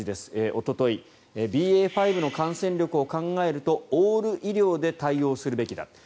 おとといＢＡ．５の感染力を考えるとオール医療で対応するべきだと。